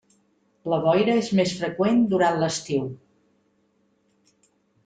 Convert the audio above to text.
La boira és més freqüent durant l'estiu.